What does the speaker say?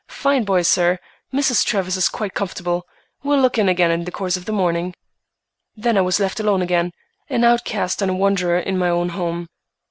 Fine boy, sir! Mrs. Travers is quite comfortable. Will look in again in the course of the morning." Then I was left alone again, an outcast and a wanderer in my own home.